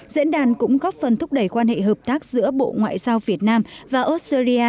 diễn đàn cũng góp phần thúc đẩy quan hệ hợp tác giữa bộ ngoại giao việt nam và australia